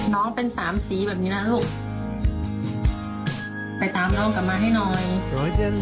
น้องเป็นสามสีแบบนี้นะลูกไปตามน้องกลับมาให้หน่อยสวยขึ้น